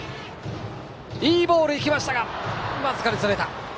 いいボールが行きましたが僅かにそれました。